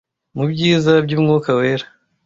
mubyiza by umwuka wera